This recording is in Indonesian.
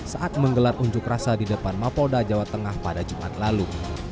saat menggelar unjuk rasa di depan mapolda jawa tengah pada jumat lalu